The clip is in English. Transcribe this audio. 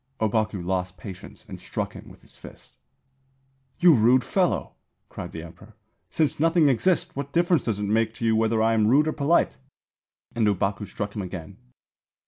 Ōbaku lost patience and struck him with his fist. 'You rude fellow,' cried the Emperor. 'Since nothing exists, what difference does it make to you whether I am rude or polite?' and Ōbaku struck him again.